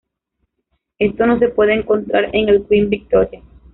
Esto no se puede encontrar en el "Queen Victoria".